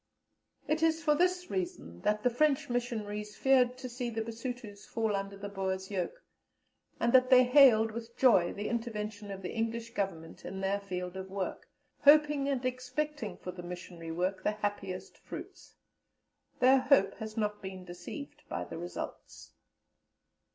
"It is for this reason that the French missionaries feared to see the Basutos fall under the Boers' yoke, and that they hailed with joy the intervention of the English Government in their field of work, hoping and expecting for the missionary work the happiest fruits. Their hope has not been deceived by the results."